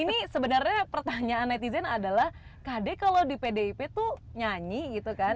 ini sebenarnya pertanyaan netizen adalah kd kalau di pdip tuh nyanyi gitu kan